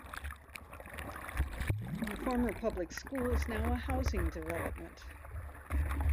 The former public school is now a housing development.